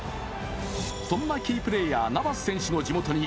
そんなキープレーヤー、ナバス選手の地元に